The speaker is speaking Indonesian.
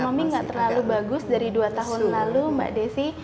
ekonomi nggak terlalu bagus dari dua tahun lalu mbak desi